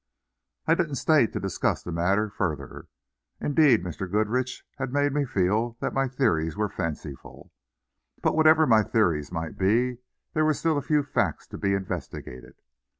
I didn't stay to discuss the matter further. Indeed, Mr. Goodrich had made me feel that my theories were fanciful. But whatever my theories might be there were still facts to be investigated.